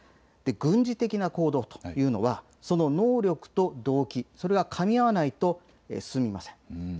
軍事的な行動というのはその能力と動機、それがかみ合わないと進みません。